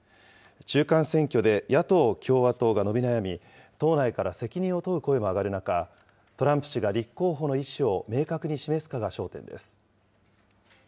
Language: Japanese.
中間選挙で野党・共和党が伸び悩み、党内から責任を問う声も上がる中、トランプ氏が立候補の意思を明確に示すかが焦点です。